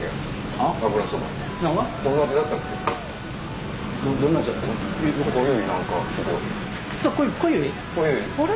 あれ？